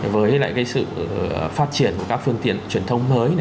với lại sự phát triển của các phương tiện truyền thông mới